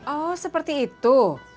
oh seperti itu